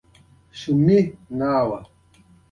په کالج کي د فارسي استاد او خورا له ژونده ډک سړی و